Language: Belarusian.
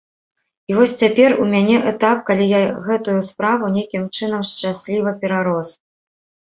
І вось цяпер у мяне этап, калі я гэтую справу нейкім чынам шчасліва перарос.